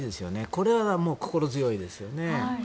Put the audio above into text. これは心強いですよね。